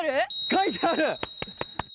書いてある！